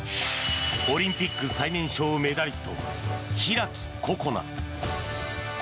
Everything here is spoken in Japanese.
オリンピック最年少メダリスト開心那。